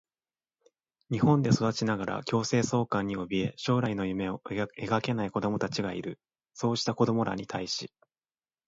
日本で育ちながら強制送還におびえ、将来の夢を描けない子どもたちがいる。そうした子どもらに対し、